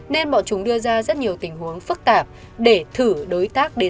nên bọn chúng đưa ra rất nhiều tình huống phức tạp để thử đối tác đến giao dịch